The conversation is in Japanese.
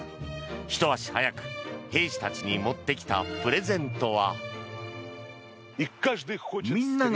ひと足早く、兵士たちに持ってきたプレゼントは。